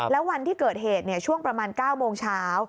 แล้ววันที่เกิดเหตุช่วงประมาณ๙โมงเช้า